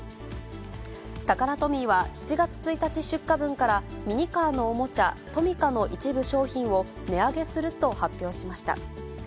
タカラトミーは７月１日出荷分から、ミニカーのおもちゃ、トミカの一部商品を値上げすると発表しました。